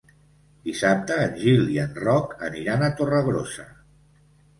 Dissabte en Gil i en Roc aniran a Torregrossa.